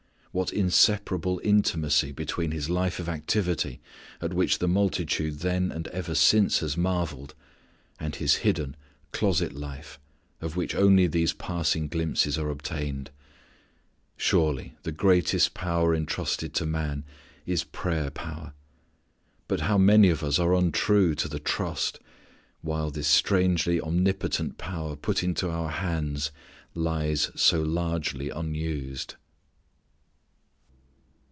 What inseparable intimacy between His life of activity at which the multitude then and ever since has marvelled, and His hidden closet life of which only these passing glimpses are obtained. Surely the greatest power entrusted to man is prayer power. But how many of us are untrue to the trust, while this strangely omnipotent power put into our hands lies so largely unused.